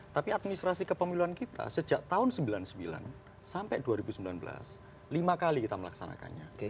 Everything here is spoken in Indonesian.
tapi administrasi kepemiluan kita sejak tahun seribu sembilan ratus sembilan puluh sembilan sampai dua ribu sembilan belas lima kali kita melaksanakannya